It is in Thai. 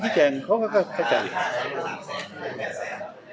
ไม่ใช่ครับมีคนมาก็ว่าจะซีแตกเข้าใจ